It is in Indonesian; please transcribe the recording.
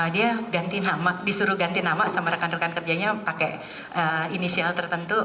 dia disuruh ganti nama sama rekan rekan kerjanya pakai inisial tertentu